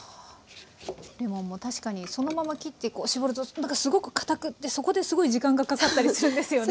レモンも確かにそのまま切って搾るとなんかすごくかたくってそこですごい時間がかかったりするんですよね。